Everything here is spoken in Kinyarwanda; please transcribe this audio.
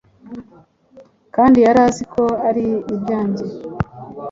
Kandi yari azi ko ari ibyanjye,